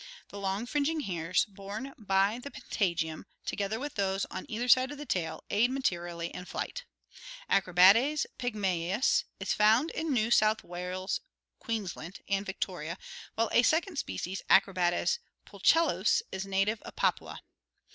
The long fringing hairs borne by the pata gium, together with those on either side of the tail, aid materially in flight. Acrobates pygnusus is found in New South Wales, Queens land, and Victoria, while a second species, A. pulchellus, is a native of Papua.